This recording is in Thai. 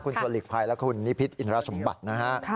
คุณสวรรค์หลีกภัยและคุณนิพิศอินทรสมบัตินะครับ